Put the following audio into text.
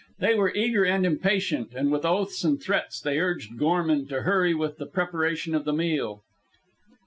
They were eager and impatient, and with oaths and threats they urged Gorman to hurry with the preparation of the meal.